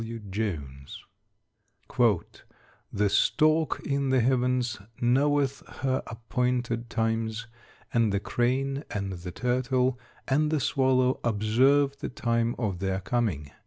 B. W. JONES. "The stork in the heavens knoweth her appointed times; and the crane, and the turtle, and the swallow observe the time of their coming."